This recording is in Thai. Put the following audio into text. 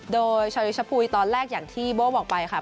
โดยชาดีชะปุ๋ยตอนแรกอย่างที่บ้อบอกไปค่ะ